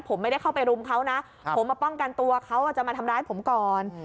ผมไม่ได้เข้าไปรุมเขานะผมมาป้องกันตัวเขาจะมาทำร้ายผมก่อน